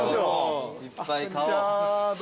いっぱい買おう。